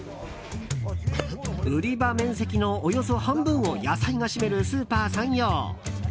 売り場面積のおよそ半分を野菜が占めるスーパーさんよう。